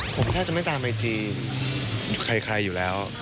ผมแทบจะไม่ตามไอจีใครอยู่แล้ว